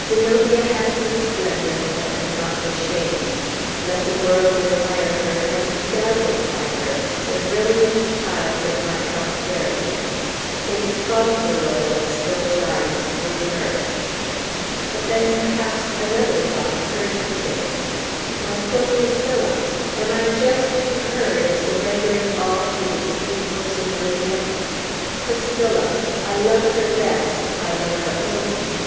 Zenobia has the splendor, and not the shame. Let the world admire her, and be dazzled by her, the brilliant child of my prosperity! It is Fauntleroy that still shines through her!" But then, perhaps, another thought occurred to him. "My poor Priscilla! And am I just to her, in surrendering all to this beautiful Zenobia? Priscilla! I love her best, I love her only!